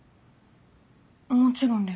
もちろんです。